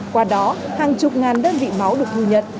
qua đó hàng chục ngàn đơn vị máu được thu nhật